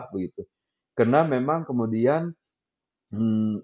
karena memang kemudian rekan rekan kita yang berbicara